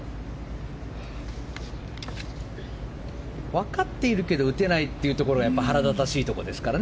分かっているけど打てないというのは腹立たしいところですからね。